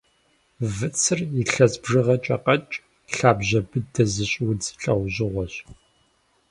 Выцыр илъэс бжыгъэкӏэ къэкӏ, лъабжьэ быдэ зыщӏ удз лӏэужьыгъуэщ.